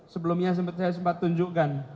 sebelumnya saya sempat tunjukkan